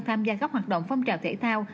tham gia các hoạt động phong trào thể thao